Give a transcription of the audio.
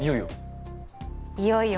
いよいよ？